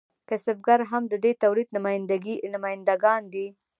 کسبګر هم د دې تولید نماینده ګان دي.